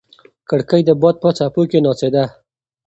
کړکۍ د باد په څپو کې ناڅېده.